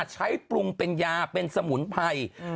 ใช้ปรุงเป็นยาเป็นสมุนไพร